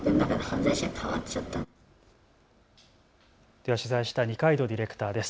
では取材した二階堂ディレクターです。